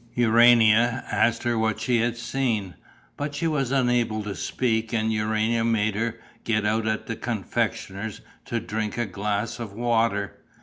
Urania asked her what she had seen, but she was unable to speak and Urania made her get out at a confectioner's to drink a glass of water.